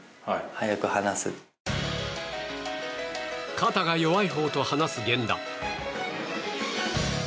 肩が弱いほうと話す源田。